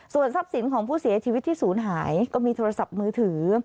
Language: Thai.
ส่วนทรัพย์สินของผู้เสียชีวิตที่ศูนย์หายก็มีโทรศัพท์มือถือ